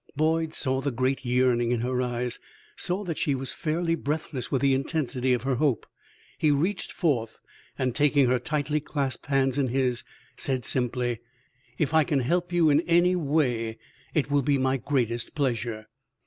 Boyd saw the great yearning in her eyes, saw that she was fairly breathless with the intensity of her hope. He reached forth and, taking her tightly clasped hands in his, said, simply: "If I can help you in any way it will be my greatest pleasure."